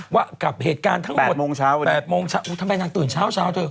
แปดโมงเช้าทำไมนางตื่นเช้าจริง